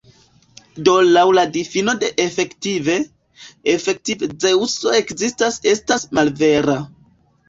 Do laŭ la difino de "efektive", "Efektive Zeŭso ekzistas" estas malvera.